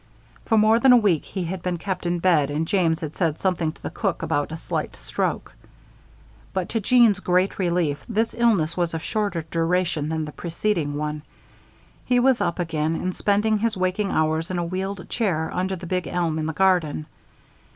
For more than a week he had been kept in bed and James had said something to the cook about "a slight stroke." But to Jeanne's great relief this illness was of shorter duration than the preceding one. He was up again; and spending his waking hours in a wheeled chair under the big elm in the garden.